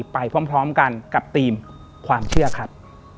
ไปพร้อมกันกับธีมความเชื่อครับ